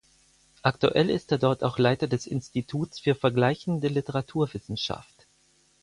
Aktuell ist er dort auch Leiter des Instituts für Vergleichende Literaturwissenschaft.